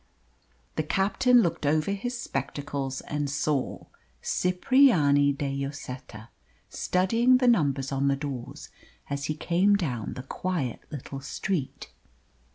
The captain looked over his spectacles and saw Cipriani de Lloseta studying the numbers on the doors as he came down the quiet little street.